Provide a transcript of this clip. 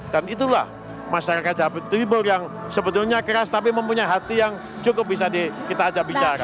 dan itulah masyarakat jawa timur yang sebetulnya keras tapi mempunyai hati yang cukup bisa kita ajak bicara